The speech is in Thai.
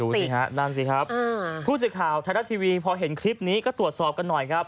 สิฮะนั่นสิครับผู้สื่อข่าวไทยรัฐทีวีพอเห็นคลิปนี้ก็ตรวจสอบกันหน่อยครับ